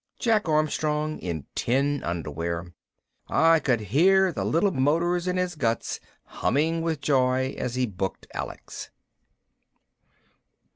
Jack Armstrong in tin underwear. I could hear the little motors in his guts humming with joy as he booked Alex.